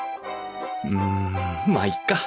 うんまあいっか。